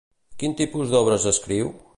Quin tipus d'obres escriu?